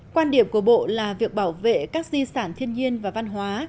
quan điểm của bộ là việc bảo vệ các di sản thiên nhiên và văn hóa